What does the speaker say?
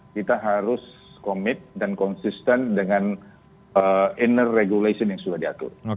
kita harus komit dan konsisten dengan inner regulation yang sudah diatur